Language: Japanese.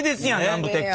南部鉄器。